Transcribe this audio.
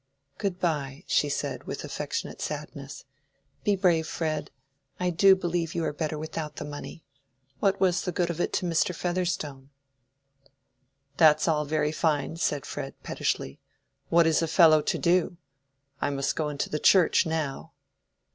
"Good by," she said, with affectionate sadness. "Be brave, Fred. I do believe you are better without the money. What was the good of it to Mr. Featherstone?" "That's all very fine," said Fred, pettishly. "What is a fellow to do? I must go into the Church now."